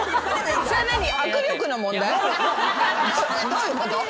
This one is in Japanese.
どういうこと？